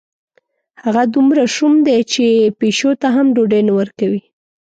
هغه دومره شوم دی، چې پیشو ته هم ډوډۍ نه ورکوي.